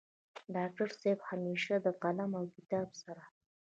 ډاکټر صيب همېشه د قلم او کتاب سره